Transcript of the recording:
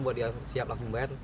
bahwa dia siap langsung membayar